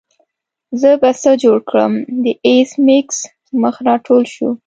زه به څه جوړ کړم د ایس میکس مخ راټول شو